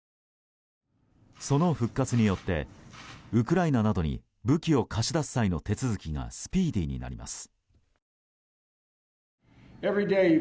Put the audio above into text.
その復活によってウクライナなどに武器を貸し出す際の手続きがスピーディーになります。